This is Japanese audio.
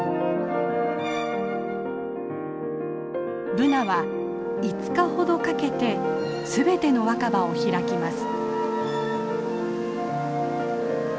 ブナは５日ほどかけて全ての若葉を開きます。